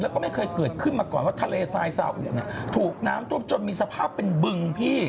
แล้วก็ไม่เคยเกิดขึ้นมาก่อนว่าทะเลไซน์ซาอุถูกน้ำจนมีสภาพเป็นบึง